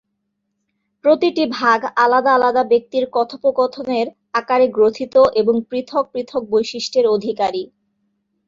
প্রতিটি ভাগ আলাদা আলাদা ব্যক্তির কথোপকথনের আকারে গ্রথিত এবং পৃথক পৃথক বৈশিষ্ট্যের অধিকারী।